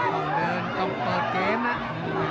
ต้องเดินต้องเปิดเกมนะ